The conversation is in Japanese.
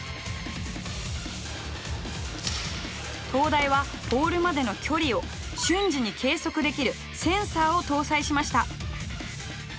東大はポールまでの距離を瞬時に計測できるセンサーを搭載しました。